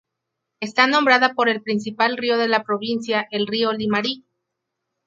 Está nombrada por el principal río de la provincia: el río Limarí.